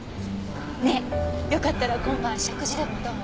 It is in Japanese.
ねえよかったら今晩食事でもどう？